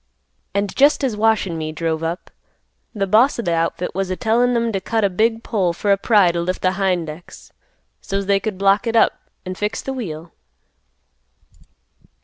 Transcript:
And jest as Wash an' me drove up, th' boss of th' outfit was a tellin' 'em t' cut a big pole for a pry t' lift th' hind ex, so's they could block it up, an' fix th' wheel.